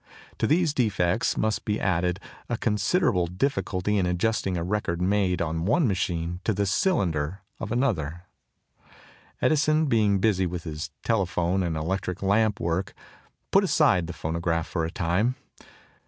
To these defects must be added a considerable difficulty in adjusting a record made on one machine to the cylinder of another machine. Edison, being busy with his telephone and electric lamp work, put aside the phonograph for a time.